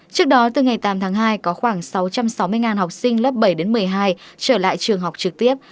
trước đó từ ngày tám tháng hai có khoảng sáu trăm sáu mươi học sinh lớp bảy đến một mươi hai trở lại trường học trực tiếp